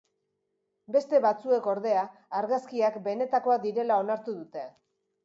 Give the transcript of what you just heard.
Beste batzuek, ordea, argazkiak benetakoak direla onartu dute.